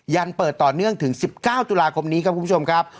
ันเปิดต่อเนื่องถึง๑๙ตุลาคมนี้ครับคุณผู้ชมครับ